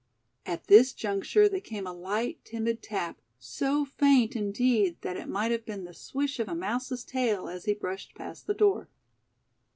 At this juncture there came a light, timid tap, so faint, indeed, that it might have been the swish of a mouse's tail as he brushed past the door.